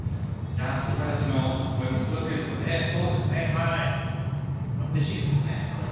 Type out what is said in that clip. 先輩たちの応援うれしいですよね。